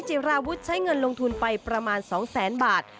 จิราวุฒิใช้เงินลงทุนไปประมาณ๒แสนบาท